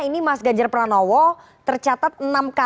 ini mas ganjar pranowo tercatat enam kali menyebut nama presiden jokowi